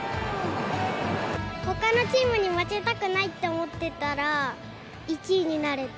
ほかのチームに負けたくないって思ってたら、１位になれた。